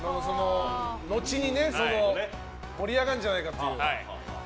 後に盛り上がるんじゃないかっていう。